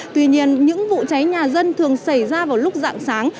tuy nhiên những vụ cháy nhà dân thường xảy ra vào lúc dạng sáng